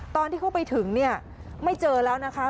ตอนที่เขาไปถึงไม่เจอแล้วนะคะ